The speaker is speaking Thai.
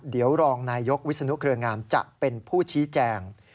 เดี๋ยวรองนายยกวิศนุเครืองามจะเป็นผู้ชี้แจง